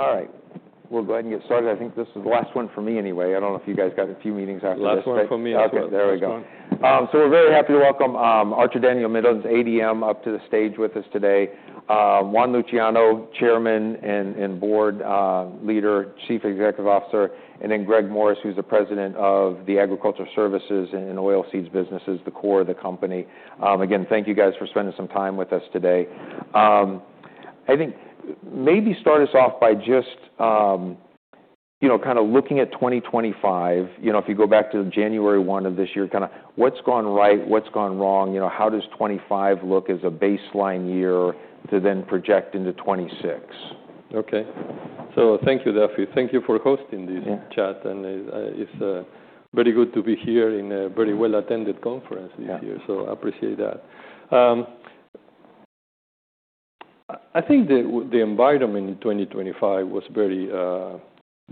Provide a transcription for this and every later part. All right. All right. We'll go ahead and get started. I think this is the last one for me anyway. I don't know if you guys got a few meetings after this one. Last one for me. Okay. There we go. So we're very happy to welcome Archer-Daniels-Midland's ADM up to the stage with us today. Juan Luciano, Chairman, President, and Chief Executive Officer, and then Greg Morris, who's the President of the Ag Services and Oilseeds Businesses, the core of the company. Again, thank you guys for spending some time with us today. I think maybe start us off by just, you know, kinda looking at 2025. You know, if you go back to January 1 of this year, kinda what's gone right, what's gone wrong, you know, how does 2025 look as a baseline year to then project into 2026? Okay, so thank you, Daphy. Thank you for hosting this chat, and it's very good to be here in a very well-attended conference this year. I appreciate that. I think the environment in 2025 was very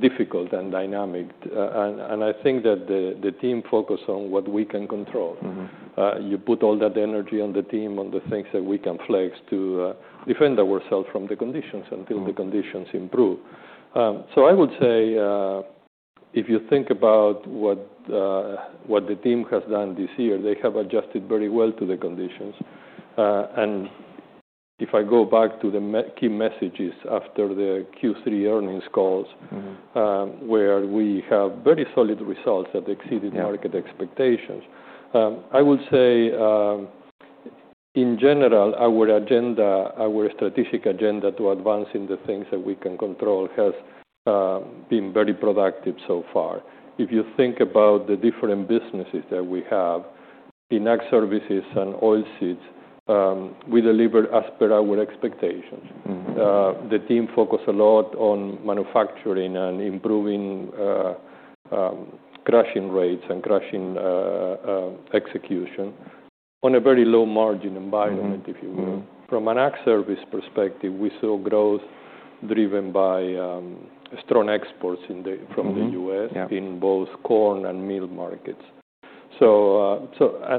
difficult and dynamic. I think that the team focused on what we can control. You put all that energy on the team, on the things that we can flex to, defend ourselves from the conditions until the conditions improve. So I would say, if you think about what the team has done this year, they have adjusted very well to the conditions. And if I go back to my key messages after the Q3 earnings calls where we have very solid results that exceeded market expectations. I would say, in general, our agenda, our strategic agenda to advancing the things that we can control has, been very productive so far. If you think about the different businesses that we have in Ag Services and Oilseeds, we delivered as per our expectations. The team focused a lot on manufacturing and improving crushing rates and crushing execution on a very low margin environment, if you will. From an Ag Services perspective, we saw growth driven by strong exports from the U.S. In both corn and milo markets. So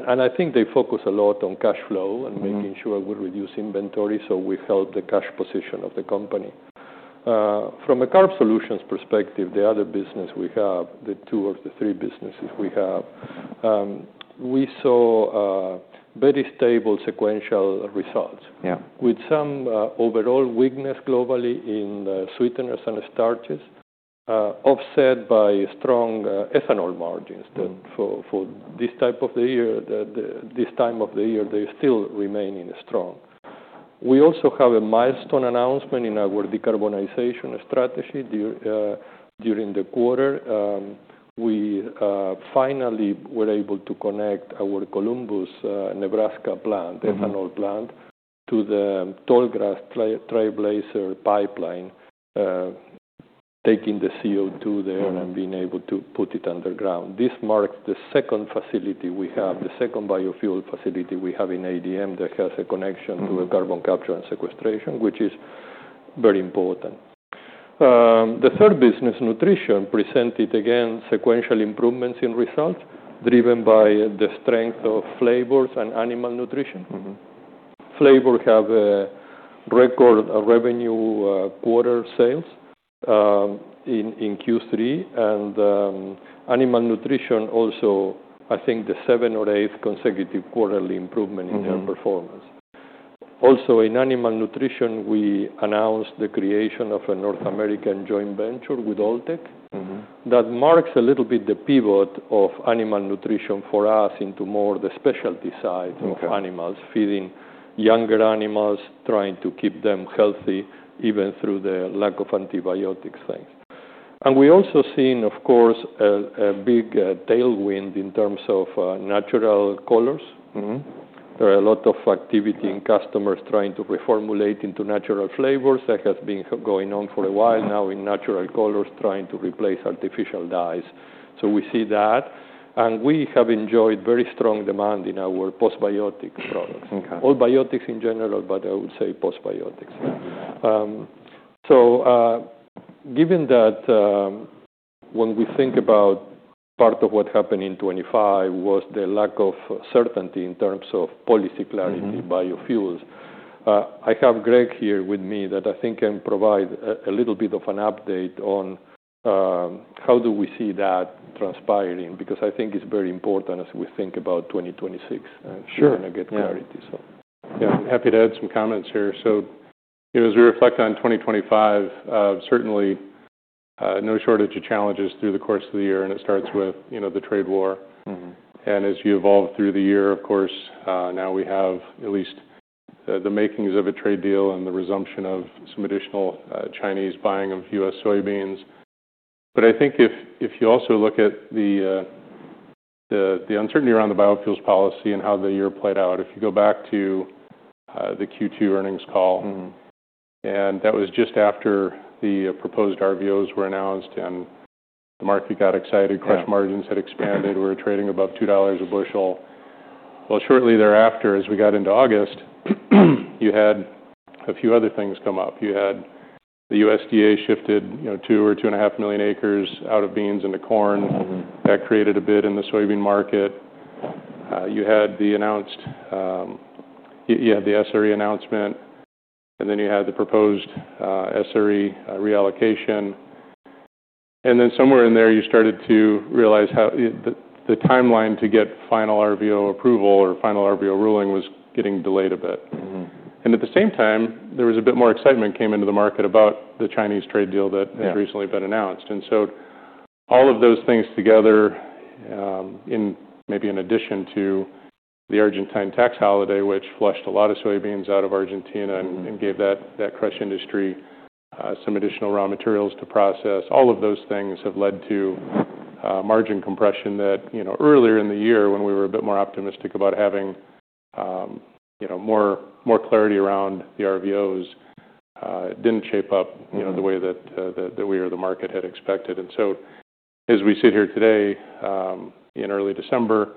and I think they focused a lot on cash flow and making sure we reduce inventory so we help the cash position of the company. From a carb solutions perspective, the other business we have, the two or the three businesses we have, we saw very stable sequential results. With some overall weakness globally in sweeteners and starches, offset by strong ethanol margins that for this time of the year still remain strong. We also have a milestone announcement in our decarbonization strategy during the quarter. We finally were able to connect our Columbus, Nebraska plant, ethanol plant. To the Tallgrass Trailblazer pipeline, taking the CO2 there and being able to put it underground. This marks the second facility we have, the second biofuel facility we have in ADM that has a connection to a carbon capture and sequestration, which is very important. The third business, Nutrition, presented again sequential improvements in results driven by the strength of flavors and animal nutrition. Flavors have a record revenue, quarterly sales in Q3. Animal nutrition also, I think, the seventh or eighth consecutive quarterly improvement in their performance. Also, in animal nutrition, we announced the creation of a North American joint venture with Alltech. That marks a little bit the pivot of animal nutrition for us into more the specialty side of animals. Feeding younger animals, trying to keep them healthy even through the lack of antibiotics things. And we also seen, of course, a big tailwind in terms of natural colors. There are a lot of activity in customers trying to reformulate into natural flavors that has been going on for a while now in natural colors, trying to replace artificial dyes, so we see that, and we have enjoyed very strong demand in our postbiotic products. All biotics in general, but I would say postbiotics. So, given that, when we think about part of what happened in 2025 was the lack of certainty in terms of policy clarity in biofuels, I have Greg here with me that I think can provide a little bit of an update on how do we see that transpiring because I think it's very important as we think about 2026. And trying to get clarity, so. Yeah. Yeah. I'm happy to add some comments here. So, you know, as we reflect on 2025, certainly, no shortage of challenges through the course of the year, and it starts with, you know, the trade war. And as you evolve through the year, of course, now we have at least the makings of a trade deal and the resumption of some additional Chinese buying of U.S. soybeans. But I think if you also look at the uncertainty around the biofuels policy and how the year played out, if you go back to the Q2 earnings call. That was just after the proposed RVOs were announced and the market got excited. Crush margins had expanded. We were trading above $2 a bushel. Well, shortly thereafter, as we got into August, you had a few other things come up. You had the USDA shifted, you know, two or two and a half million acres out of beans into corn. That created a bid in the soybean market. You had the announced SRE announcement, and then you had the proposed SRE reallocation, and then somewhere in there, you started to realize how the timeline to get final RVO approval or final RVO ruling was getting delayed a bit. At the same time, there was a bit more excitement came into the market about the Chinese trade deal that has recently been announced. And so all of those things together, maybe in addition to the Argentine tax holiday, which flushed a lot of soybeans out of Argentina and gave that crush industry some additional raw materials to process, all of those things have led to margin compression that, you know, earlier in the year, when we were a bit more optimistic about having, you know, more clarity around the RVOs, didn't shape up, you know, the way that we or the market had expected. And so as we sit here today, in early December,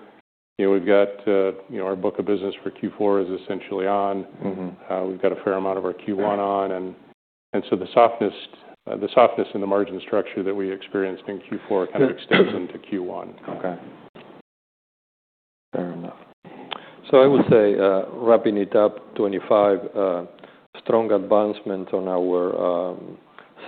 you know, we've got, you know, our book of business for Q4 is essentially on. We've got a fair amount of our Q1 on. And so the softness in the margin structure that we experienced in Q4 kind of extends into Q1. Okay. Fair enough. So I would say, wrapping it up, 2025, strong advancement on our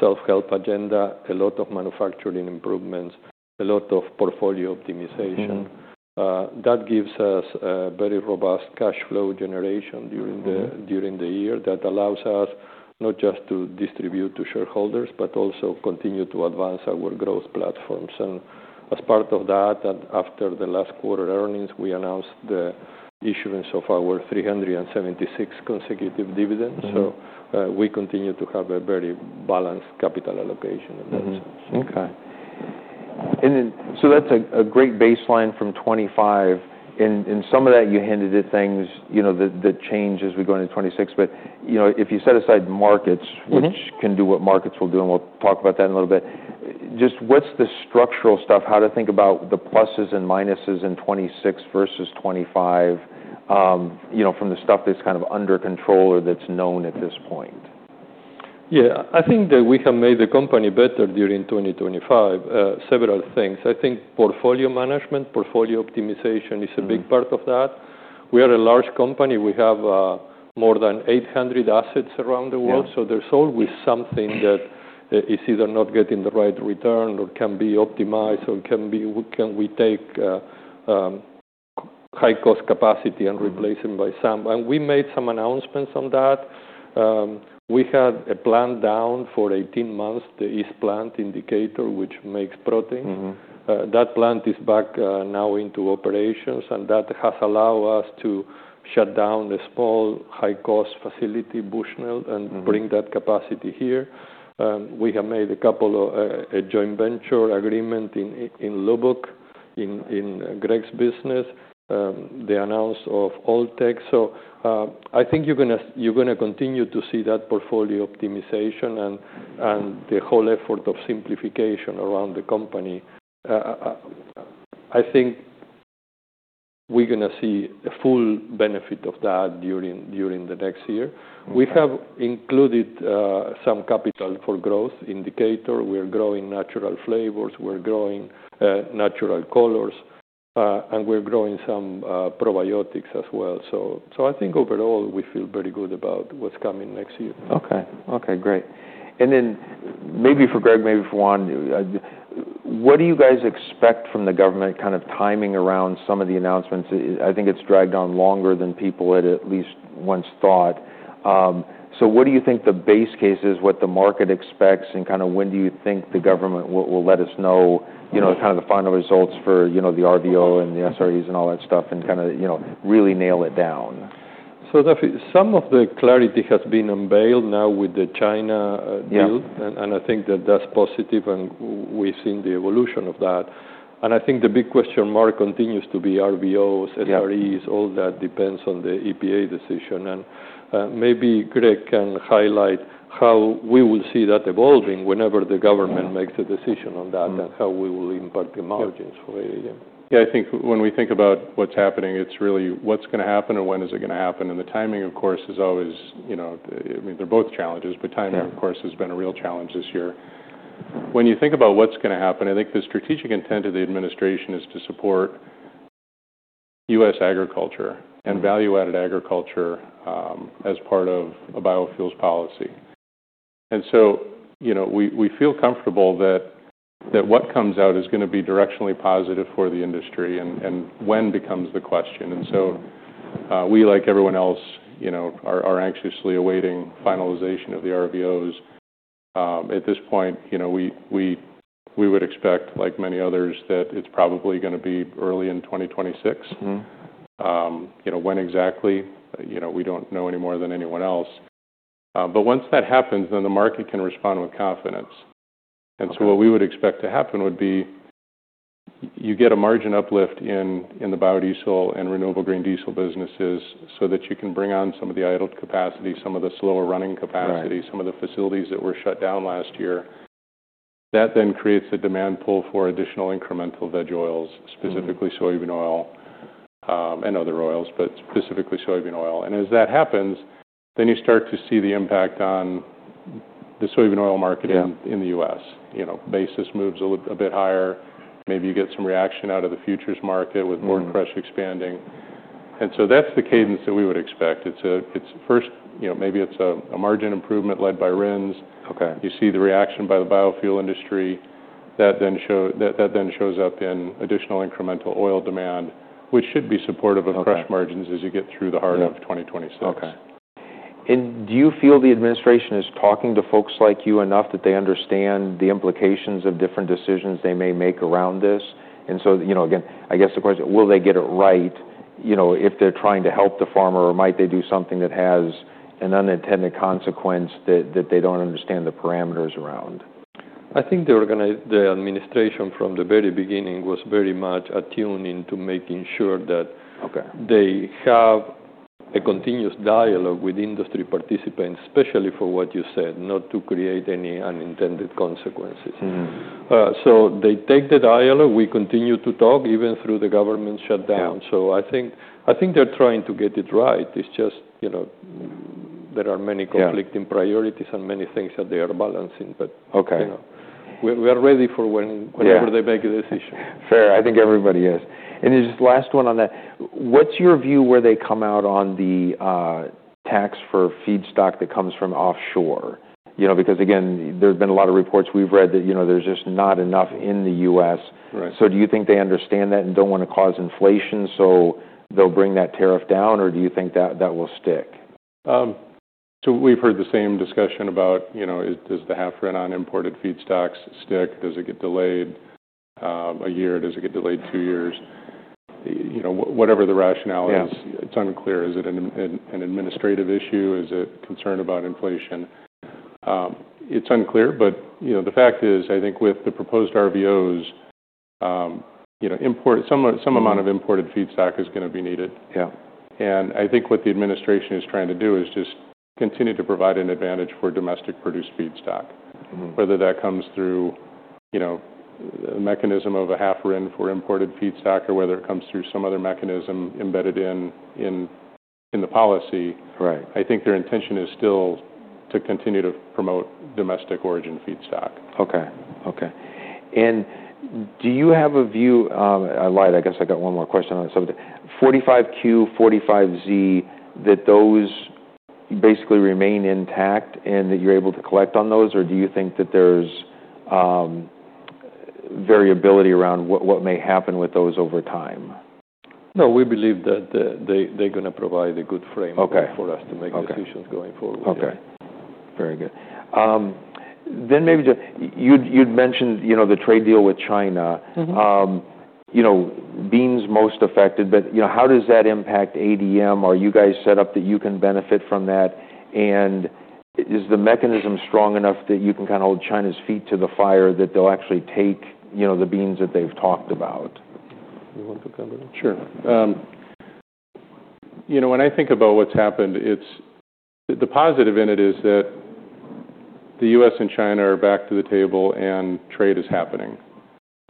self-help agenda, a lot of manufacturing improvements, a lot of portfolio optimization that gives us a very robust cash flow generation during the. During the year that allows us not just to distribute to shareholders but also continue to advance our growth platforms, and as part of that, after the last quarter earnings, we announced the issuance of our 376 consecutive dividends. We continue to have a very balanced capital allocation in that sense. Okay. And then so that's a great baseline from 2025. And some of that you hinted at things, you know, that change as we go into 2026. But, you know, if you set aside markets. Which can do what markets will do, and we'll talk about that in a little bit, just what's the structural stuff, how to think about the pluses and minuses in 2026 versus 2025, you know, from the stuff that's kind of under control or that's known at this point? Yeah. I think that we have made the company better during 2025, several things. I think portfolio management, portfolio optimization is a big part of that. We are a large company. We have, more than 800 assets around the world. So there's always something that is either not getting the right return or can be optimized or can we take high-cost capacity and replace them by some. And we made some announcements on that. We had a plant down for 18 months, the East Plant in Decatur, which makes protein. That plant is back now into operations, and that has allowed us to shut down a small high-cost facility, Bushnell, and bring that capacity here. We have made a couple of a joint venture agreement in Lubbock, in Greg's business, the announcement of Alltech. So, I think you're gonna continue to see that portfolio optimization and the whole effort of simplification around the company. I think we're gonna see a full benefit of that during the next year. We have included some capital for growth initiatives. We're growing natural flavors. We're growing natural colors, and we're growing some probiotics as well. So I think overall, we feel very good about what's coming next year. Okay. Okay. Great. And then maybe for Greg, maybe for Juan, what do you guys expect from the government kind of timing around some of the announcements? I think it's dragged on longer than people had at least once thought. So what do you think the base case is, what the market expects, and kinda when do you think the government will let us know, you know, kinda the final results for, you know, the RVO and the SREs and all that stuff and kinda, you know, really nail it down? Daphy, some of the clarity has been unveiled now with the China deal. I think that that's positive, and we've seen the evolution of that. I think the big question mark continues to be RVOs, SREs. All that depends on the EPA decision, and maybe Greg can highlight how we will see that evolving whenever the government makes a decision on that. How we will impact the margins for ADM. Yeah. I think when we think about what's happening, it's really what's gonna happen and when is it gonna happen. And the timing, of course, is always, you know, I mean, they're both challenges, but timing. Of course, has been a real challenge this year. When you think about what's gonna happen, I think the strategic intent of the administration is to support U.S. agriculture. Value-added agriculture, as part of a biofuels policy. So, you know, we feel comfortable that what comes out is gonna be directionally positive for the industry and when becomes the question. So, we, like everyone else, you know, are anxiously awaiting finalization of the RVOs. At this point, you know, we would expect, like many others, that it's probably gonna be early in 2026. You know, when exactly, you know, we don't know any more than anyone else, but once that happens, then the market can respond with confidence. What we would expect to happen would be you get a margin uplift in the biodiesel and renewable green diesel businesses so that you can bring on some of the idled capacity, some of the slower-running capacity. Some of the facilities that were shut down last year. That then creates a demand pull for additional incremental veg oils. Specifically soybean oil, and other oils, but specifically soybean oil. And as that happens, then you start to see the impact on the soybean oil market in the U.S. You know, basis moves a little bit higher. Maybe you get some reaction out of the futures market with. Board crush expanding. So that's the cadence that we would expect. It's first, you know, maybe it's a margin improvement led by RINS. You see the reaction by the biofuel industry. That then shows up in additional incremental oil demand, which should be supportive of crush margins. As you get through the heart of 2026. Okay. And do you feel the administration is talking to folks like you enough that they understand the implications of different decisions they may make around this? And so, you know, again, I guess the question, will they get it right, you know, if they're trying to help the farmer, or might they do something that has an unintended consequence that they don't understand the parameters around? I think the administration from the very beginning was very much attuned into making sure that. They have a continuous dialogue with industry participants, especially for what you said, not to create any unintended consequences. So they take the dialogue. We continue to talk even through the government shutdown. So I think they're trying to get it right. It's just, you know, there are many conflicting priorities and many things that they are balancing, but. You know, we are ready for when. Whenever they make a decision. Fair. I think everybody is. And just last one on that. What's your view where they come out on the tax for feedstock that comes from offshore? You know, because, again, there have been a lot of reports we've read that, you know, there's just not enough in the U.S. So do you think they understand that and don't wanna cause inflation so they'll bring that tariff down, or do you think that that will stick? So we've heard the same discussion about, you know, is does the half-rent on imported feedstocks stick? Does it get delayed, a year? Does it get delayed two years? You know, whatever the rationale is. It's unclear. Is it an administrative issue? Is it concern about inflation? It's unclear, but, you know, the fact is, I think with the proposed RVOs, you know, import some amount of imported feedstock is gonna be needed. I think what the administration is trying to do is just continue to provide an advantage for domestic-produced feedstock. Whether that comes through, you know, the mechanism of a half-rent for imported feedstock or whether it comes through some other mechanism embedded in the policy. I think their intention is still to continue to promote domestic-origin feedstock. Okay. Do you have a view, Lyle? I guess I got one more question on this, but 45Q, 45Z, that those basically remain intact and that you're able to collect on those, or do you think that there's variability around what may happen with those over time? No, we believe that they're gonna provide a good framework. For us to make decisions going forward. Okay. Very good, then maybe you'd mentioned, you know, the trade deal with China. You know, beans most affected, but, you know, how does that impact ADM? Are you guys set up that you can benefit from that? And is the mechanism strong enough that you can kinda hold China's feet to the fire that they'll actually take, you know, the beans that they've talked about? You want to cover that? Sure. You know, when I think about what's happened, it's the positive in it is that the U.S. and China are back to the table, and trade is happening,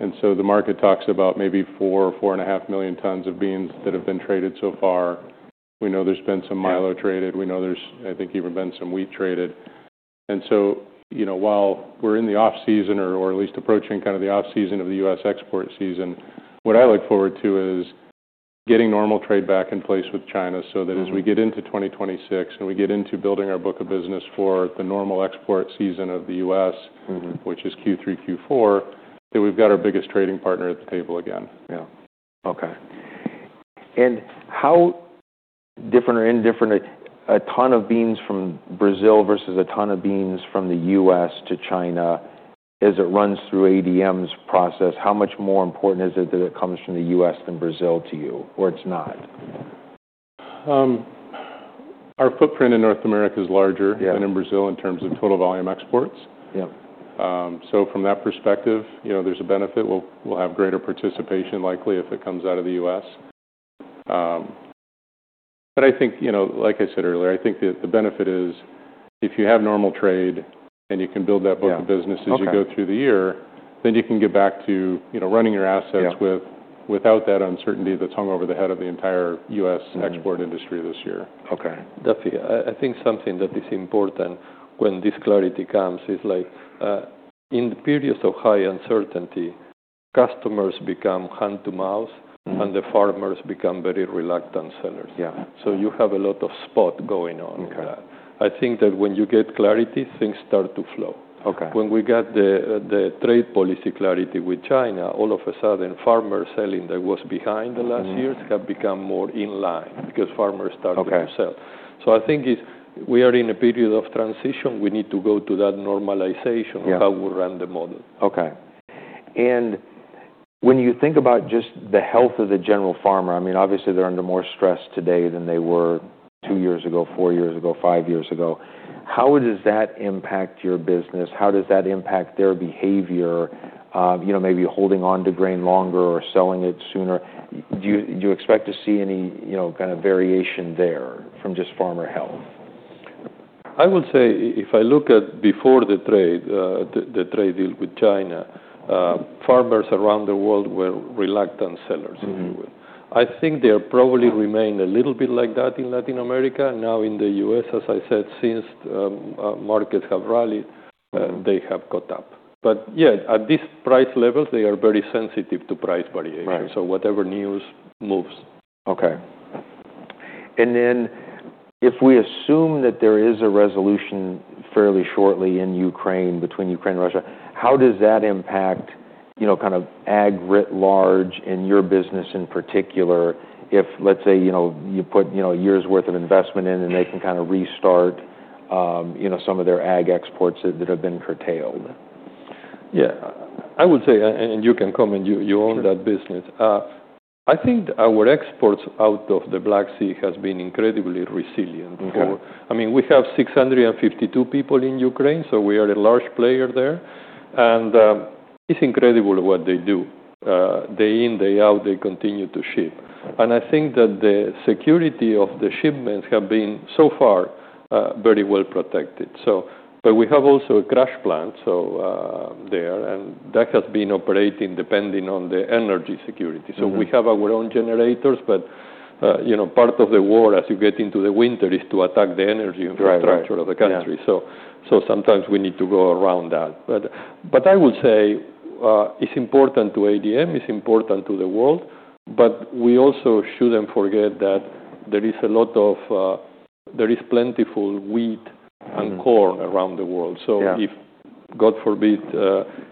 and so the market talks about maybe four, four and a half million tons of beans that have been traded so far. We know there's been some milo traded. We know there's, I think, even been some wheat traded, and so, you know, while we're in the off-season or at least approaching kinda the off-season of the U.S. export season, what I look forward to is getting normal trade back in place with China so that as we get into 2026 and we get into building our book of business for the normal export season of the U.S. Which is Q3, Q4, that we've got our biggest trading partner at the table again. Yeah. Okay. And how different or indifferent is a ton of beans from Brazil versus a ton of beans from the U.S. to China, as it runs through ADM's process, how much more important is it that it comes from the U.S. than Brazil to you, or it's not? Our footprint in North America is larger than in Brazil in terms of total volume exports. So from that perspective, you know, there's a benefit. We'll have greater participation likely if it comes out of the U.S. But I think, you know, like I said earlier, I think that the benefit is if you have normal trade and you can build that book of business. As you go through the year, then you can get back to, you know, running your assets. Without that uncertainty that's hung over the head of the entire U.S. export industry this year. Okay. Daphy, I think something that is important when this clarity comes is like, in the periods of high uncertainty, customers become hand-to-mouth. The farmers become very reluctant sellers. You have a lot of spot going on. In that, I think that when you get clarity, things start to flow. When we got the trade policy clarity with China, all of a sudden, farmers selling that was behind the last years. Have become more in line because farmers started to sell. So I think it's we are in a period of transition. We need to go to that normalization. Of how we run the model. Okay. And when you think about just the health of the general farmer, I mean, obviously, they're under more stress today than they were two years ago, four years ago, five years ago. How does that impact your business? How does that impact their behavior, you know, maybe holding onto grain longer or selling it sooner? Do you expect to see any, you know, kinda variation there from just farmer health? I would say if I look at before the trade deal with China, farmers around the world were reluctant sellers. If you will. I think they'll probably remain a little bit like that in Latin America. Now in the US, as I said, since markets have rallied, they have caught up. But yeah, at this price level, they are very sensitive to price variation so whatever news moves. Okay. And then if we assume that there is a resolution fairly shortly in Ukraine, between Ukraine and Russia, how does that impact, you know, kinda ag writ large in your business in particular if, let's say, you know, you put, you know, a year's worth of investment in and they can kinda restart, you know, some of their ag exports that, that have been curtailed? Yeah. I would say, and you can comment. You own that business. I think our exports out of the Black Sea has been incredibly resilient. I mean, we have 652 people in Ukraine, so we are a large player there. And it's incredible what they do day in, day out. They continue to ship. And I think that the security of the shipments have been so far very well protected. So but we have also a contingency plan there, and that has been operating depending on the energy security. So we have our own generators, but, you know, part of the war, as you get into the winter, is to attack the energy infrastructure. Of the country. Sometimes we need to go around that. I would say it's important to ADM. It's important to the world, but we also shouldn't forget that there is plentiful wheat and corn around the world. So if, God forbid,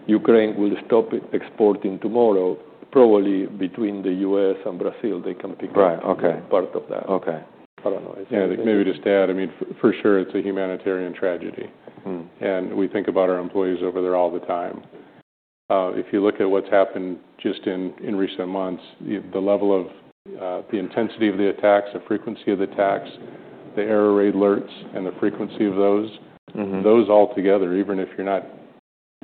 Ukraine will stop exporting tomorrow, probably between the U.S. and Brazil, they can pick up. Right. Okay. A part of that. I don't know. Yeah. Like, maybe to stay out, I mean, for sure, it's a humanitarian tragedy, and we think about our employees over there all the time. If you look at what's happened just in recent months, the level of the intensity of the attacks, the frequency of the attacks, the air raid alerts, and the frequency of those. Those altogether, even if you're not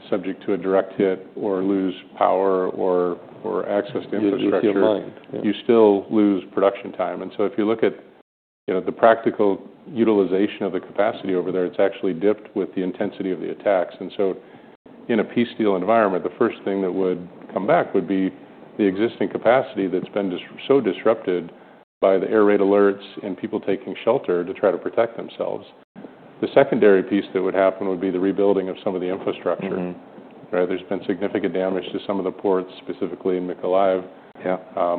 subject to a direct hit or lose power or access to infrastructure. You lose your mind. You still lose production time. And so if you look at, you know, the practical utilization of the capacity over there, it's actually dipped with the intensity of the attacks. And so in a peace deal environment, the first thing that would come back would be the existing capacity that's been disrupted by the air raid alerts and people taking shelter to try to protect themselves. The secondary piece that would happen would be the rebuilding of some of the infrastructure. Right? There's been significant damage to some of the ports, specifically in Mykolaiv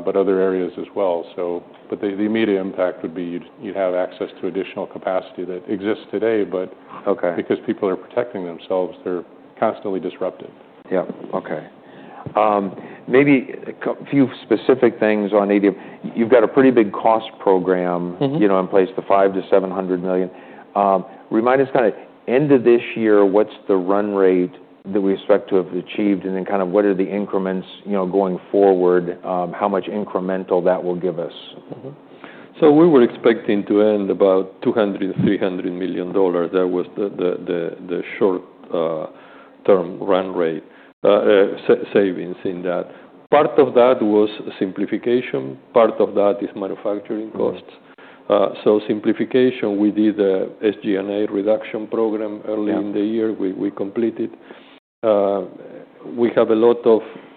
but other areas as well. So but the immediate impact would be you'd have access to additional capacity that exists today, but. Because people are protecting themselves, they're constantly disrupted. Yeah. Okay. Maybe a couple of specific things on ADM. You've got a pretty big cost program. You know, in place, the $500 million-$700 million. Remind us kinda end of this year, what's the run rate that we expect to have achieved, and then kinda what are the increments, you know, going forward, how much incremental that will give us? So we were expecting to end about $200 million-$300 million. That was the short-term run rate savings in that. Part of that was simplification. Part of that is manufacturing costs. So simplification, we did a SG&A reduction program early in the year. We completed. We have a lot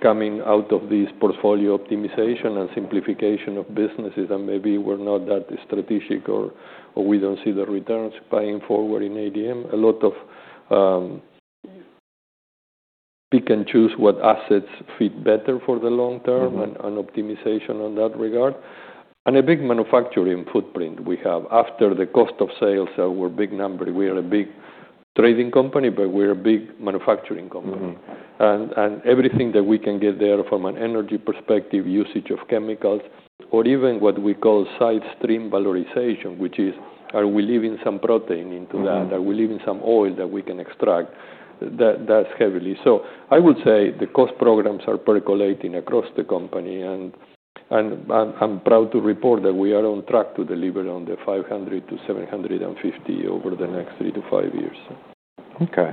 coming out of this portfolio optimization and simplification of businesses that maybe were not that strategic or we don't see the returns paying forward in ADM. A lot of pick and choose what assets fit better for the long term. And optimization in that regard. And a big manufacturing footprint we have after the cost of sales, our big number. We are a big trading company, but we are a big manufacturing company. And everything that we can get there from an energy perspective, usage of chemicals, or even what we call side stream valorization, which is, are we leaving some protein into that? Are we leaving some oil that we can extract? That, that's heavily. So I would say the cost programs are percolating across the company, and I'm proud to report that we are on track to deliver on the $500 million-$750 million over the next three to five years. Okay.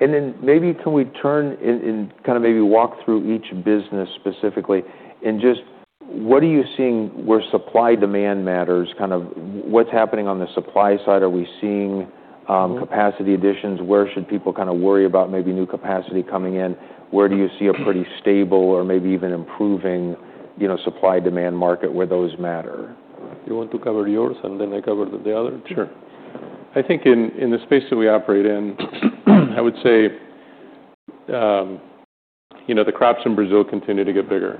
And then maybe can we turn to and kinda maybe walk through each business specifically and just what are you seeing where supply demand matters? Kinda what's happening on the supply side? Are we seeing capacity additions? Where should people kinda worry about maybe new capacity coming in? Where do you see a pretty stable or maybe even improving, you know, supply demand market where those matter? You want to cover yours, and then I cover the other? Sure. I think in the space that we operate in, I would say, you know, the crops in Brazil continue to get bigger.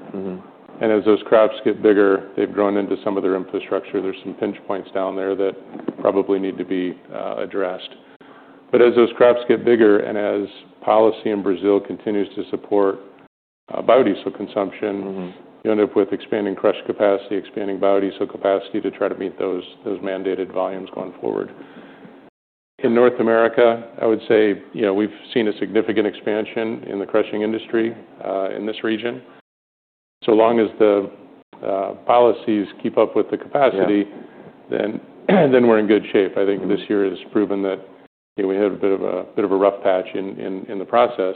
And as those crops get bigger, they've grown into some of their infrastructure. There's some pinch points down there that probably need to be addressed. But as those crops get bigger and as policy in Brazil continues to support biodiesel consumption. You end up with expanding crush capacity, expanding biodiesel capacity to try to meet those mandated volumes going forward. In North America, I would say, you know, we've seen a significant expansion in the crushing industry, in this region. So long as the policies keep up with the capacity. Then we're in good shape. I think this year has proven that, you know, we had a bit of a rough patch in the process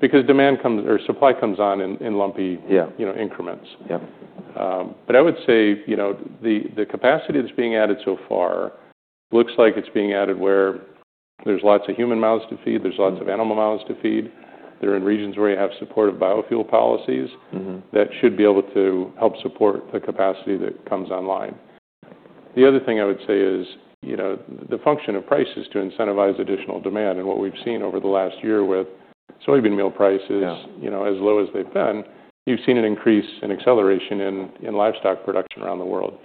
because demand comes or supply comes on in lumpy. You know, increments. Yeah. But I would say, you know, the capacity that's being added so far looks like it's being added where there's lots of human mouths to feed. There's lots of animal mouths to feed. They're in regions where you have supportive biofuel policies. That should be able to help support the capacity that comes online. The other thing I would say is, you know, the function of price is to incentivize additional demand. And what we've seen over the last year with soybean meal prices. You know, as low as they've been, you've seen an increase and acceleration in livestock production around the world.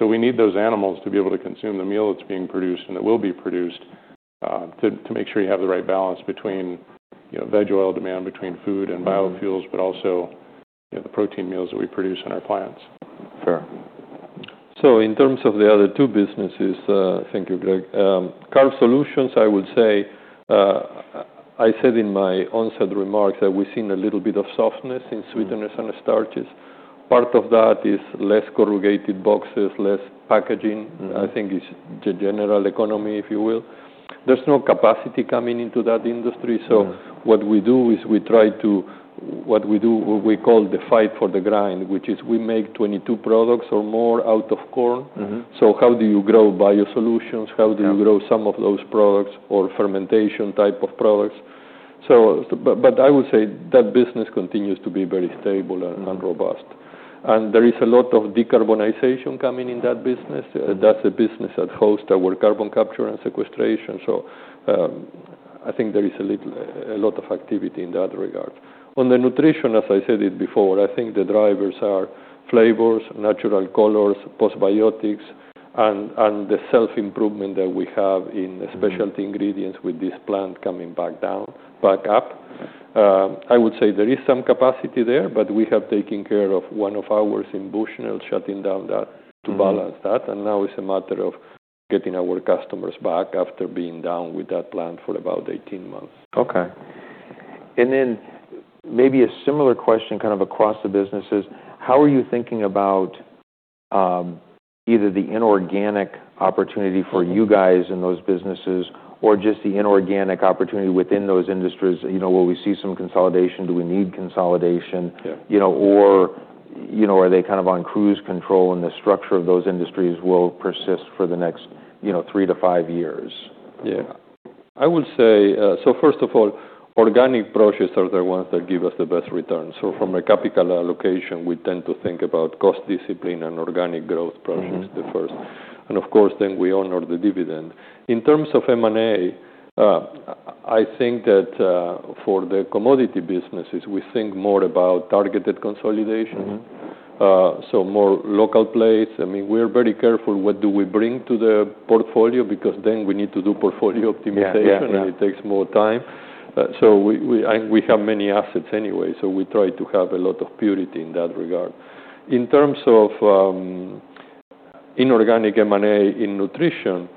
We need those animals to be able to consume the meal that's being produced and that will be produced, to make sure you have the right balance between, you know, veg oil demand, between food and biofuels, but also, you know, the protein meals that we produce in our plants. Fair. So in terms of the other two businesses, thank you, Greg. Carbohydrate Solutions, I would say, I said in my opening remarks that we've seen a little bit of softness in sweeteners and starches. Part of that is less corrugated boxes, less packaging. I think it's general economy, if you will. There's no capacity coming into that industry. What we do is we try to fight for the grind, which is we make 22 products or more out of corn. So how do you grow Biosolutions? How do you grow some of those products or fermentation type of products? So but, but I would say that business continues to be very stable and, and robust, and there is a lot of decarbonization coming in that business. That's a business that hosts our carbon capture and sequestration. So, I think there is a little, a lot of activity in that regard. On the nutrition, as I said it before, I think the drivers are flavors, natural colors, postbiotics, and, and the self-improvement that we have in specialty ingredients with this plant coming back down, back up. I would say there is some capacity there, but we have taken care of one of ours in Bushnell shutting down that to balance that. And now it's a matter of getting our customers back after being down with that plant for about 18 months. Okay, and then maybe a similar question kind of across the business is, how are you thinking about, either the inorganic opportunity for you guys in those businesses or just the inorganic opportunity within those industries? You know, will we see some consolidation? Do we need consolidation? You know, you know, are they kind of on cruise control and the structure of those industries will persist for the next, you know, three to five years? Yeah. I would say, so first of all, organic processors are the ones that give us the best returns. So from a capital allocation, we tend to think about cost discipline and organic growth projects the first. Of course, then we honor the dividend. In terms of M&A, I think that, for the commodity businesses, we think more about targeted consolidation so more local place. I mean, we are very careful what do we bring to the portfolio because then we need to do portfolio optimization. It takes more time. We have many assets anyway, so we try to have a lot of purity in that regard. In terms of inorganic M&A in nutrition,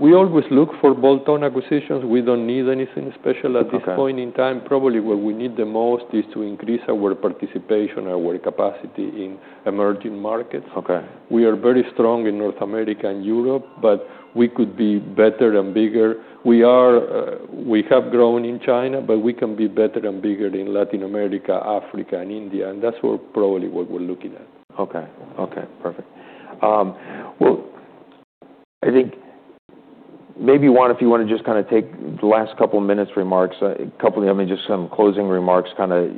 we always look for bolt-on acquisitions. We don't need anything special at this point in time. Probably what we need the most is to increase our participation, our capacity in emerging markets. We are very strong in North America and Europe, but we could be better and bigger. We are, we have grown in China, but we can be better and bigger in Latin America, Africa, and India. That's what probably we're looking at. Okay. Okay. Perfect. Well, I think maybe Juan, if you wanna just kinda take the last couple of minutes remarks, a couple of, I mean, just some closing remarks kinda,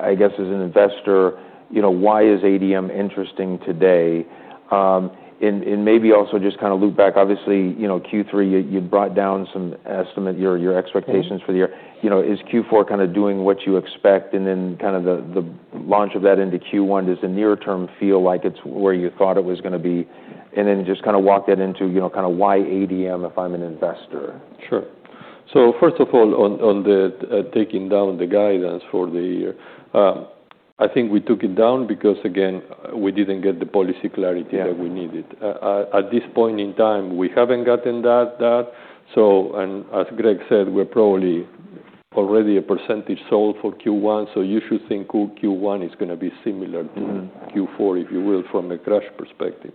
I guess, as an investor, you know, why is ADM interesting today? And maybe also just kinda loop back. Obviously, you know, Q3, you brought down some estimate, your expectations for the year. You know, is Q4 kinda doing what you expect? And then kinda the launch of that into Q1, does the near term feel like it's where you thought it was gonna be? And then just kinda walk that into, you know, kinda why ADM if I'm an investor? Sure. So first of all, on the taking down the guidance for the year, I think we took it down because, again, we didn't get the policy clarity. That we needed. At this point in time, we haven't gotten that. So, and as Greg said, we're probably already a percentage sold for Q1, so you should think Q1 is gonna be similar to Q4, if you will, from a crush perspective.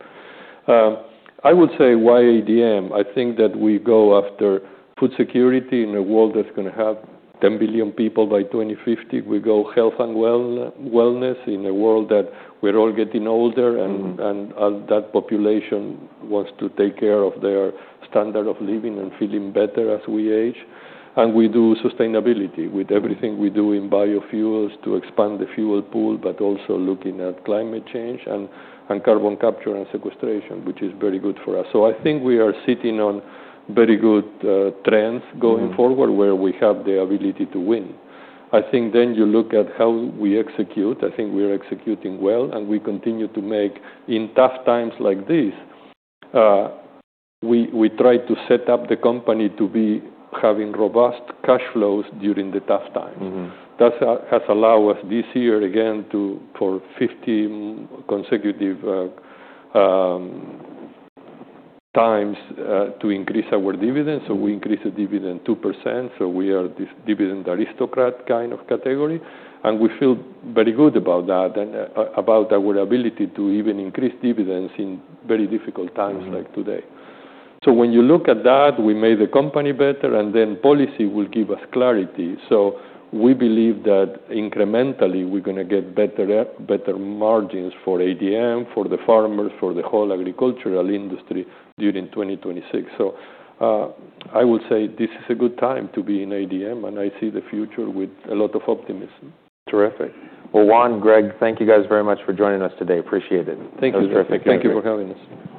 I would say why ADM? I think that we go after food security in a world that's gonna have 10 billion people by 2050. We go after health and wellness in a world that we're all getting older. That population wants to take care of their standard of living and feeling better as we age. We do sustainability with everything we do in biofuels to expand the fuel pool, but also looking at climate change and carbon capture and sequestration, which is very good for us. I think we are sitting on very good trends going forward. Where we have the ability to win. I think then you look at how we execute. I think we are executing well, and we continue to make in tough times like this, we try to set up the company to be having robust cash flows during the tough times. That has allowed us this year again to, for 50 consecutive times, to increase our dividend, so we increased the dividend 2%. We are this Dividend Aristocrat kind of category, and we feel very good about that and about our ability to even increase dividends in very difficult times like today. When you look at that, we made the company better, and then policy will give us clarity. We believe that incrementally we're gonna get better, better margins for ADM, for the farmers, for the whole agricultural industry during 2026. I would say this is a good time to be in ADM, and I see the future with a lot of optimism. Terrific. Well, Juan, Greg, thank you guys very much for joining us today. Appreciate it. Thank you. That was perfect. Thank you for having us.